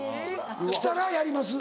来たらやります？